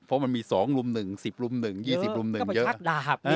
เพราะมันมี๒รุ่มหนึ่ง๑๐รุ่มหนึ่งชักดาบ